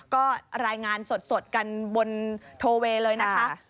ก็รายงานสดกันบนโทเวย์เลยนะคะ